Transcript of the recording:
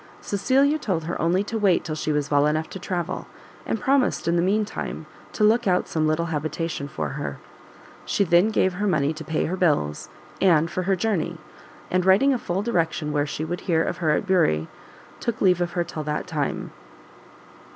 Cecilia told her only to wait till she was well enough to travel, and promised, in the mean time, to look out some little habitation for her. She then gave her money to pay her bills, and for her journey, and writing a full direction where she would hear of her at Bury, took leave of her till that time.